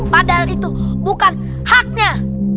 padahal itu bukan haknya